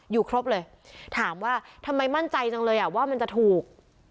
อยู่ครบเลยถามว่าทำไมมั่นใจจังเลยอ่ะว่ามันจะถูก